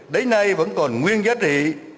đấy nay vẫn còn nguyên giá trị